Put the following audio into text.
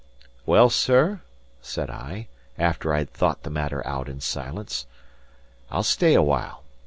"Well, sir," said I, after I had thought the matter out in silence, "I'll stay awhile.